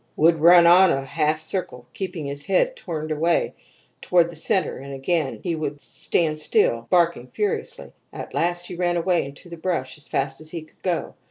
would run in a half circle, keeping his head turned always toward the centre and again he would stand still, barking furiously. At last he ran away into the brush as fast as he could go.